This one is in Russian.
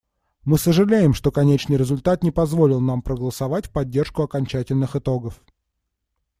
Мы сожалеем, что конечный результат не позволил нам проголосовать в поддержку окончательных итогов.